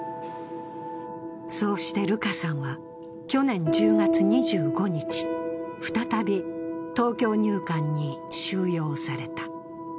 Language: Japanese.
そうしてルカさんは去年１０月２５日、再び東京入管に収容された。